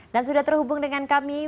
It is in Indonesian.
dan sudah terhubung dengan kami